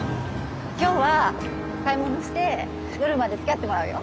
今日は買い物して夜までつきあってもらうよ。